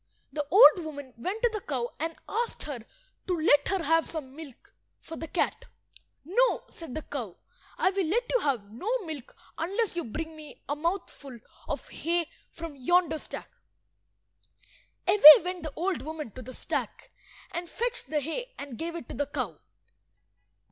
The old woman went to the cow and asked her to let her have some milk for the cat. "No," said the cow; "I will let you have no milk unless you bring me a mouthful of hay from yonder stack." Away went the old woman to the stack and fetched the hay and gave it to the cow.